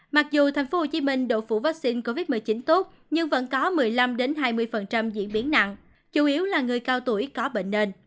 mặc dù tp hcm độ phủ vaccine covid một mươi chín tốt nhưng vẫn có một mươi năm hai mươi diễn biến nặng chủ yếu là người cao tuổi có bệnh nền